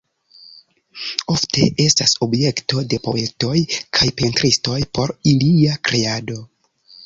Ofte estas objekto de poetoj kaj pentristoj por ilia kreado.